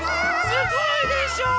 すごいでしょう。